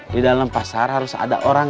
di dalam pasar harus ada orang